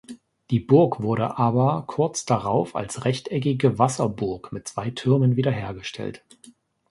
Die Burg wurde aber kurz darauf als rechteckige Wasserburg mit zwei Türmen wiederhergestellt.